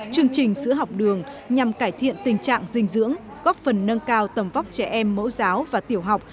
chương trình sữa học đường nhằm cải thiện tình trạng dinh dưỡng góp phần nâng cao tầm vóc trẻ em mẫu giáo và tiểu học